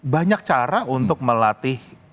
banyak cara untuk melatih